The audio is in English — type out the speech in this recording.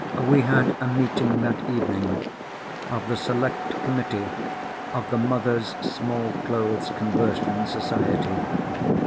We had a meeting that evening of the Select Committee of the Mothers' Small Clothes Conversion Society.